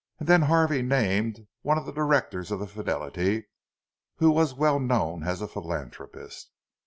And then Harvey named one of the directors of the Fidelity who was well known as a philanthropist.